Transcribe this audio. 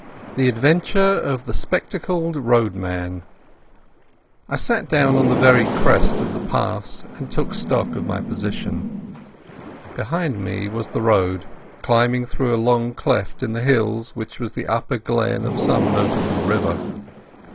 The Adventure of the Spectacled Roadman I sat down on the very crest of the pass and took stock of my position. Behind me was the road climbing through a long cleft in the hills, which was the upper glen of some notable river.